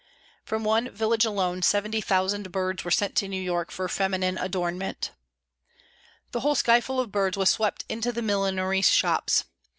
From one village alone 70,000 birds were sent to New York for feminine adornment. The whole sky full of birds was swept into the millinery shops.